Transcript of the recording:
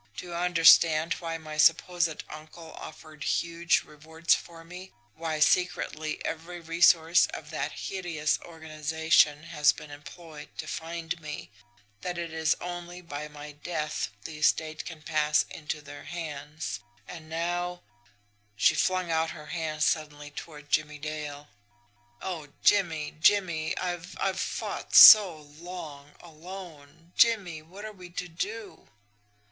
Do you understand why my supposed uncle offered huge rewards for me, why secretly every resource of that hideous organisation has been employed to find me that it is only by my DEATH the estate can pass into their hands, and now " She flung out her hands suddenly toward Jimmie Dale. "Oh, Jimmie, Jimmie, I've I've fought so long alone! Jimmie, what are we to do?"